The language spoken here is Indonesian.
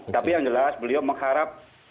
tapi yang jelas beliau mengharap